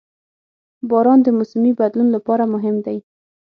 • باران د موسمي بدلون لپاره مهم دی.